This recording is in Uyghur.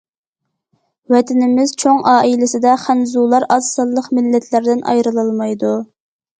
ۋەتىنىمىز چوڭ ئائىلىسىدە خەنزۇلار ئاز سانلىق مىللەتلەردىن ئايرىلالمايدۇ.